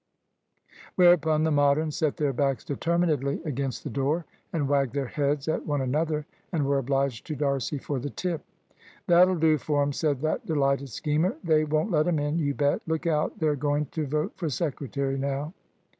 Whereupon the Moderns set their backs determinedly against the door and wagged their heads at one another, and were obliged to D'Arcy for the tip. "That'll do for 'em," said that delighted schemer; "they won't let 'em in, you bet. Look out they're going to vote for secretary now."